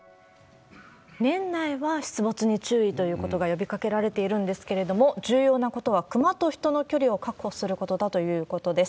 年内は出没に注意ということが呼びかけられているんですけれども、重要なことは、クマと人の距離を確保することだということです。